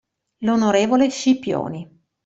L'onorevole Scipioni.